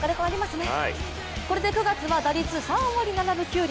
これで９月は打率３割７分９厘。